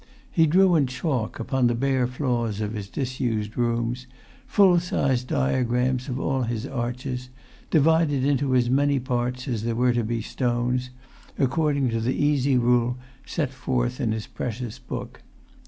He drew in chalk, upon the bare floors of his disused rooms, full [Pg 243]size diagrams of all his arches, divided into as many parts as there were to be stones, according to the easy rule set forth in his precious book.